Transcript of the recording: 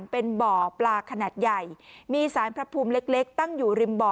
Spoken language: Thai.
เป็นบ่อปลาขนาดใหญ่มีสารพระภูมิเล็กตั้งอยู่ริมบ่อ